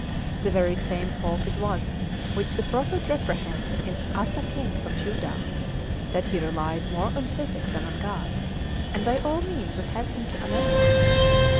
The very same fault it was, which the prophet reprehends in Asa king of Judah, that he relied more on physic than on God, and by all means would have him to amend it.